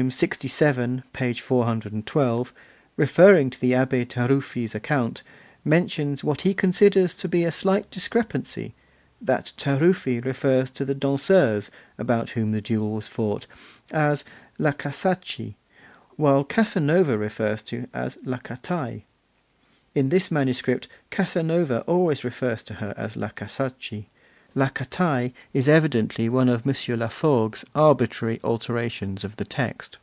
lxvii., p. 412), referring to the Abbé Taruffi's account, mentions what he considers to be a slight discrepancy: that Taruffi refers to the danseuse, about whom the duel was fought, as La Casacci, while Casanova refers to her as La Catai. In this manuscript Casanova always refers to her as La Casacci; La Catai is evidently one of M. Laforgue's arbitrary alterations of the text.